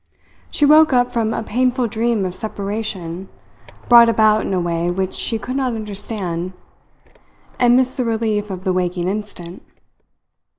She woke up from a painful dream of separation brought about in a way which she could not understand, and missed the relief of the waking instant.